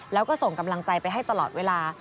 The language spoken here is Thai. แล้วก็ส่งกำลังใจไปให้ตลอดเวลา